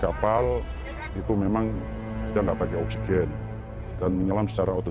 saya sudah berusaha separuh sengat merupakan anak wanita